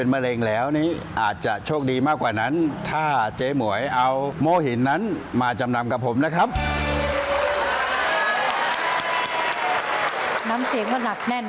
น้ำเสียงมันหนักแน่นดีเหมือนกับตัวเขาเลย